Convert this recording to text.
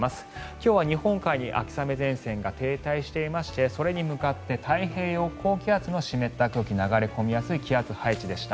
今日は日本海に秋雨前線が停滞していましてそれに向かって太平洋高気圧の湿った空気が流れ込みやすい気圧配置でした。